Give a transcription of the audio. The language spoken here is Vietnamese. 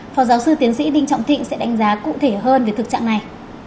phó giáo sư tiến sĩ đinh trọng thịnh sẽ đánh giá cụ thể hơn về thực trạng này